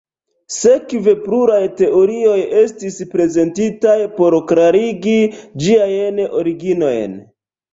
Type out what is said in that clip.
Sekve, pluraj teorioj estis prezentitaj por klarigi ĝiajn originojn.